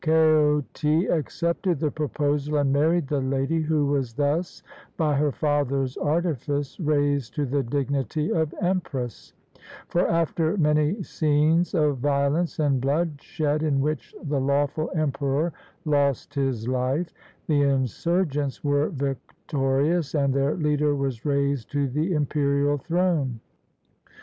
Kaoti accepted the proposal and married the lady, who was thus, by her father's artifice, raised to the dignity of empress; for, after many scenes of violence and bloodshed, in which the lawful emperor lost his life, the insurgents were victorious and their leader was raised to the imperial throne.